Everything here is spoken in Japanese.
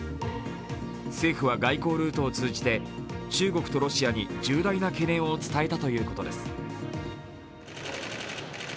政府は外交ルートを通じて中国とロシアに重大な懸念を伝えたということです。